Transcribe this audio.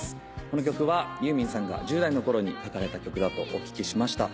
この曲はユーミンさんが１０代のころに書かれた曲だとお聞きしました。